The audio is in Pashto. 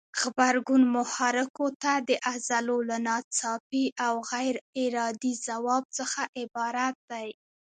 غبرګون محرکو ته د عضلو له ناڅاپي او غیر ارادي ځواب څخه عبارت دی.